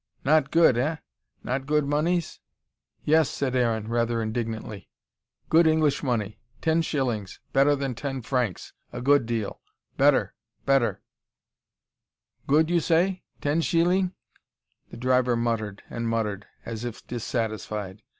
"Not good, eh? Not good moneys?" "Yes," said Aaron, rather indignantly. "Good English money. Ten shillings. Better than ten francs, a good deal. Better better " "Good you say? Ten sheeling " The driver muttered and muttered, as if dissatisfied.